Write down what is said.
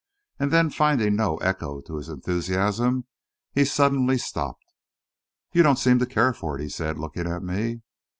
And then, finding no echo to his enthusiasm, he suddenly stopped. "You don't seem to care for it," he said, looking at me.